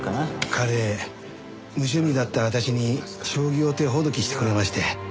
彼無趣味だったあたしに将棋を手ほどきしてくれまして。